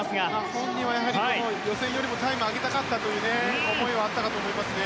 本人は予選よりもタイムを上げたかったという思いはあったかと思いますね。